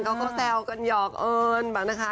ก็แซวกันหยอกเอิญอะนะคะ